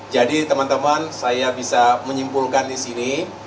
jadi teman teman saya bisa menyimpulkan di sini